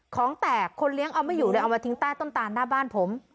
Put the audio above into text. ของแตกคนเลี้ยงเอาไม่อยู่เลยเอามาทิ้งใต้ต้นตานหน้าบ้านผม